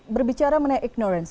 berbicara mengenai ignorance